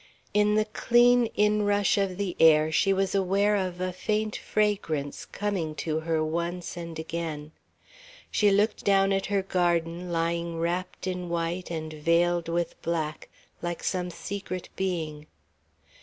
In the clean inrush of the air she was aware of a faint fragrance, coming to her once and again. She looked down at her garden, lying wrapped in white and veiled with black, like some secret being.